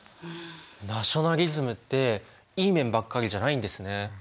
ナショナリズムっていい面ばっかりじゃないんですね。